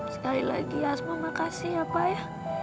sekali lagi asma makasih ya pak ya